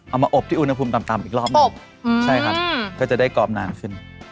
เอามาอบที่อุณหภูมิต่ำอีกรอบหนึ่งใช่ครับก็จะได้กรอบนานขึ้น